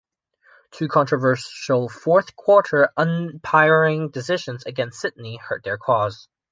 Two controversial fourth quarter umpiring decisions against Sydney hurt their cause.